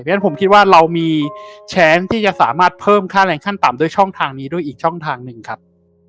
เพราะฉะนั้นผมคิดว่าเรามีแชนที่จะสามารถเพิ่มค่าแรงขั้นต่ำด้วยช่องทางนี้ด้วยอีกช่องทางหนึ่งครับ